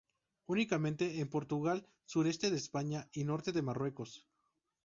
Únicamente en Portugal, suroeste de España y norte de Marruecos.